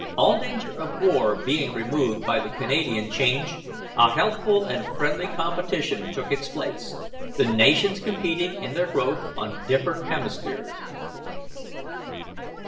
All danger of war being removed by the Canadian change, a healthful and friendly competition took its place, the nations competing in their growth on different hemispheres.